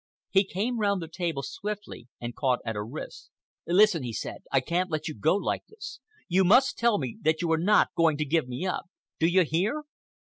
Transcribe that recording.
He came round the table swiftly and caught at her wrists. "Listen," he said, "I can't let you go like this. You must tell me that you are not going to give me up. Do you hear?"